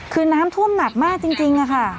คือน้ำท่วมหนักมากจริงค่ะ